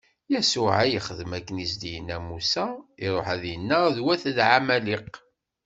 Yacuɛa yexdem akken i s-d-inna Musa, iṛuḥ ad innaɣ d wat ɛamaliq.